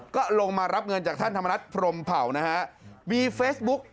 ก็ลงมารับเงินจากท่านธรรมนัฐพรมเผ่านะฮะมีเฟซบุ๊ก